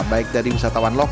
baik dari wisatawan